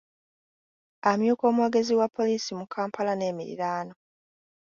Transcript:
Amyuka omwogezi wa poliisi mu Kampala n’emiriraano.